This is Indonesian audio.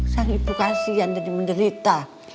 sang ibu kasian jadi menderita